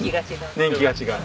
年季が違う。